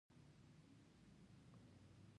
په هیچا ظلم او تیری نه کېده.